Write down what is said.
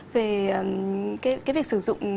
về cái việc sử dụng